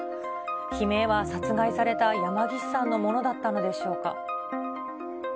悲鳴は殺害された山岸さんのものだったのでしょうか。